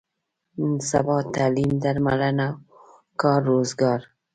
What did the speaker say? نن سبا تعلیم، درملنه او کار روزګار.